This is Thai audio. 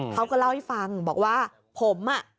เขาก็เล่าให้ฟังบอกว่าผมอ่ะ